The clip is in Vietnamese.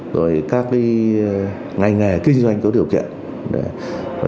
rồi các ngành nghề kinh doanh có điều kiện